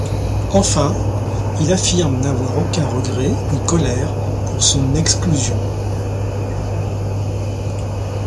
Enfin, il affirme n'avoir aucun regret ni colère pour son exclusion.